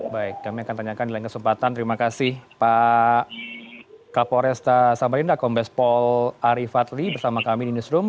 baik kami akan tanyakan di lain kesempatan terima kasih pak kapolres t sambalinda kombes pol ari fatli bersama kami di newsroom